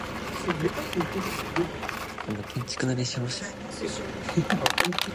Otto was born into a noble family in Mistelbach, Franconia.